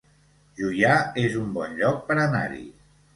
Juià es un bon lloc per anar-hi